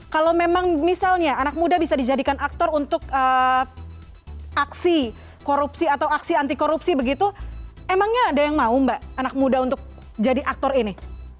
kalau memang misalnya anak muda bisa dijadikan aktor untuk aksi korupsi atau aksi anti korupsi begitu emangnya ada yang mau mbak anak muda untuk jadi aktor ini